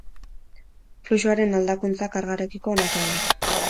Fluxuaren aldakuntza kargarekiko honako hau da.